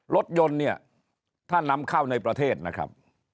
รถยนต์เนี่ยถ้านำเข้าในประเทศนะครับ